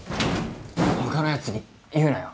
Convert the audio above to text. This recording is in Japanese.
他のやつに言うなよ